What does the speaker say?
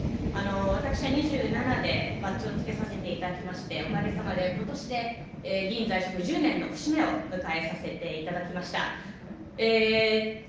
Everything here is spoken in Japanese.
私は２７でバッジをつけさせていただいて、おかげさまでことしで議員在職１０年の節目を迎えさせていただきました。